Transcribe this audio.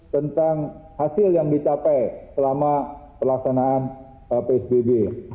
tentang hasil yang dicapai selama pelaksanaan psbb